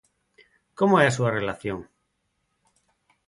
Como é a súa relación?